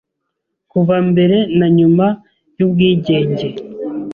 kuva mbere na nyuma y’ubwigenge